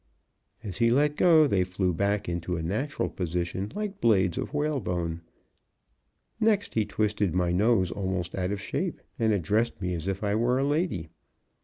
As he let go they flew back into a natural position like blades of whalebone. Next he twisted my nose almost out of shape, and addressed me as if I were a lady.